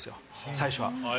最初は。